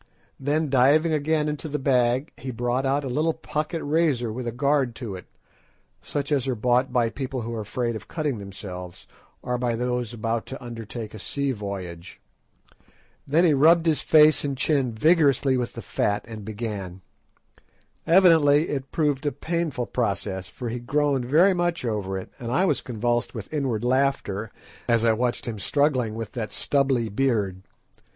Then diving again into the bag he brought out a little pocket razor with a guard to it, such as are bought by people who are afraid of cutting themselves, or by those about to undertake a sea voyage. Then he rubbed his face and chin vigorously with the fat and began. Evidently it proved a painful process, for he groaned very much over it, and I was convulsed with inward laughter as I watched him struggling with that stubbly beard.